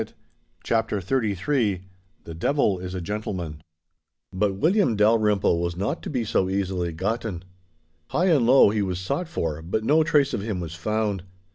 *CHAPTER XXXIII* *THE DEVIL IS A GENTLEMAN* But William Dalrymple was not to be so easily gotten. High and low he was sought for, but no trace of him was found.